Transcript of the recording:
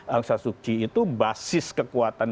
angsa tzu chi itu basis kekuatan